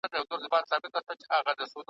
لېوه خره ته کړلې سپیني خپلي داړي ,